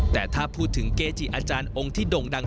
แต่ถ้าพูดถึงเกจิอาจารย์องค์ที่ด่งดัง